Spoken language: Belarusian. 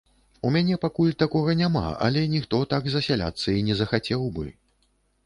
У мяне пакуль такога няма, але ніхто так засяляцца і не захацеў бы.